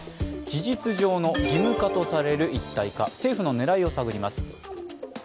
事実上の義務化とされる一体化、政府の狙いを探ります。